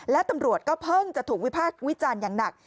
และตำรวจก็เพิ่งจะถูกวิพากษ์วิจารณ์อย่างหนัก